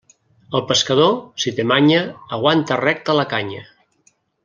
El pescador, si té manya, aguanta recta la canya.